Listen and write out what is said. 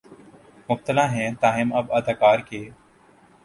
مبتلا ہیں تاہم اب اداکار کے